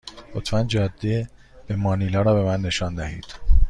لطفا جاده به مانیلا را به من نشان دهید.